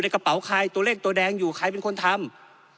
กระเป๋าใครตัวเลขตัวแดงอยู่ใครเป็นคนทำ